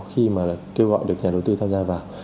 khi mà kêu gọi được nhà đầu tư tham gia vào